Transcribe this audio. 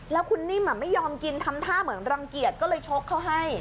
แล้วคุณนิ่มไม่ยอมกินทำท่าเหมือนรังเกียจก็เลยชกเขาให้